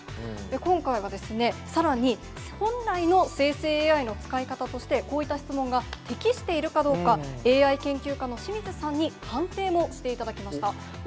今回は、さらに本来の生成ＡＩの使い方としてこういった質問が適しているかどうか、ＡＩ研究家の清水さんに判定もしていただきました。